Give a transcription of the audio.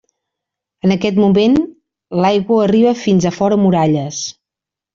En aquest moment, l'aigua arriba fins a fora muralles.